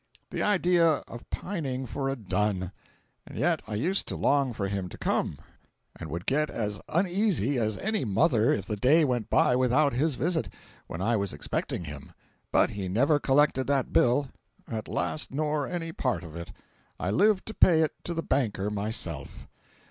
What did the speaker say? The idea of pining for a dun! And yet I used to long for him to come, and would get as uneasy as any mother if the day went by without his visit, when I was expecting him. But he never collected that bill, at last nor any part of it. I lived to pay it to the banker myself.